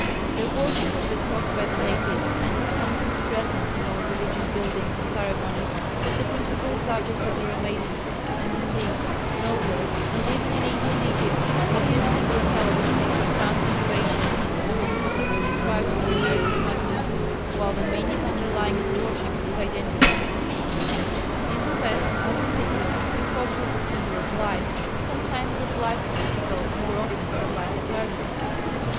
The worship of the cross by the natives, and its constant presence in all religious buildings and ceremonies, was the principal subject of their amazement; and indeed nowhere not even in India and Egypt was this symbol held in more profound veneration than amongst the primitive tribes of the American continents, while the meaning underlying its worship was identical. In the west, as in the east, the cross was the symbol of life sometimes of life physical, more often of life eternal.